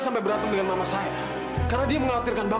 sampai jumpa di video selanjutnya